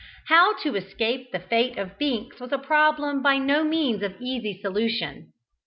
How to escape the fate of Binks was a problem by no means easy of solution.